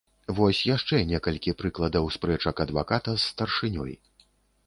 Вось яшчэ некалькі прыкладаў спрэчак адваката з старшынёй.